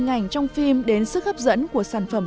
từ hình ảnh trong phim đến sức hấp dẫn của sản phẩm